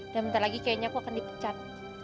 dan bentar lagi kayaknya aku akan dipecat